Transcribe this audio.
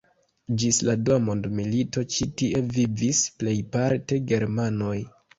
Ĝis la dua mondmilito ĉi tie vivis plejparte germanoj.